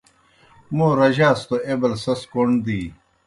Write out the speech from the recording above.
موں رجاس توْ ایْبل سیْس کوْݨ دِی۔